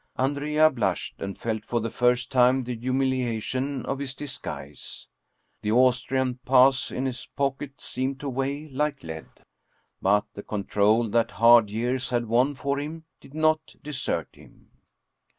Andrea blushed and felt for the first time the humiliation of his disguise. The Austrian pass in his pocket seemed to weigh like lead ; but the control that hard years had won for him did not desert him.